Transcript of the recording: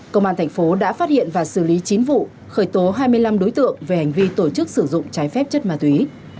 công an thành phố đã phát hiện và xử lý chín vụ khởi tố hai mươi năm đối tượng về hành vi tổ chức sử dụng trái phép chất ma túy